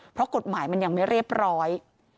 เพราะกฎหมายมันยังไม่เรียบร้อย